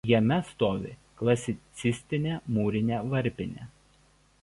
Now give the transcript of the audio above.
Jame stovi klasicistinė mūrinė varpinė.